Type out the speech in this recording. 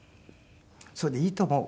それでいいと思う。